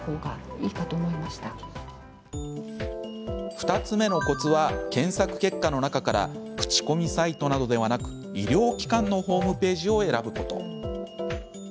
２つ目のコツは検索結果の中から口コミサイトなどではなく医療機関のホームページを選ぶこと。